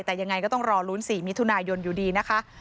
แต่ยังไงก็ต้องรอลุ้น๔มิถุนายนอยู่ดีนะคะ